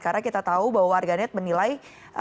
karena kita tahu bahwa warganet menilai aksi konsumen